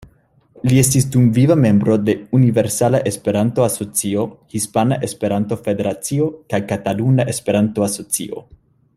Li estis dumviva membro de Universala Esperanto-Asocio, Hispana Esperanto-Federacio kaj Kataluna Esperanto-Asocio.